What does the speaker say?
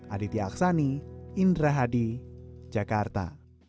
aditya aksani indra hadi jakarta